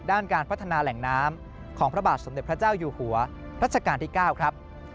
ด้านการพัฒนาแหล่งน้ำของพระบาทสมเด็จพระเจ้าอยู่หัวรัชกาลที่๙ครับ